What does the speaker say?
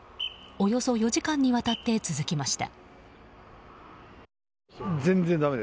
およそ４時間にわたって続きました。